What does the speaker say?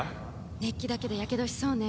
熱気だけでやけどしそうね。